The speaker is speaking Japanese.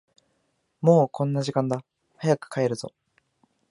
もうこんな時間だ、早く帰るぞ。